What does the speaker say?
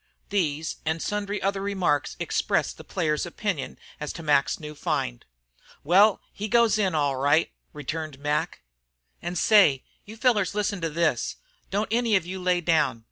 These and sundry other remarks expressed the players' opinion as to Mac's new find. "Well, he goes in, all right," returned Mac. "An' say, you fellars listen to this. Don't any of you lay down.